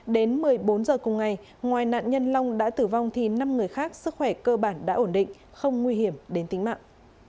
đến một mươi bốn h cùng ngày ngoài nạn nhân long đã tử vong thì năm người khác sức khỏe cơ bản đã ổn định không nguy hiểm đến tính mạng